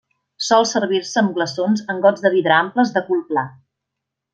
Sol servir-se amb glaçons en gots de vidre amples de cul pla.